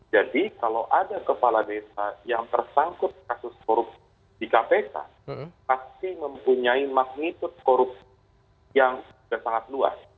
jadi kalau ada kepala desa yang tersangkut kasus korupsi di kpk pasti mempunyai maknitud korupsi yang sudah sangat luas